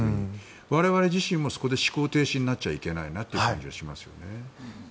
我々自身もそこで思考停止になってはいけないなと思いますね。